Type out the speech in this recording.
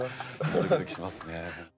ドキドキしますね。